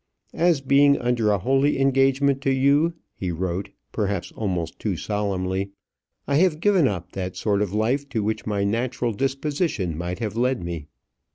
As being under a holy engagement to you," he wrote, perhaps almost too solemnly, "I have given up that sort of life to which my natural disposition might have led me.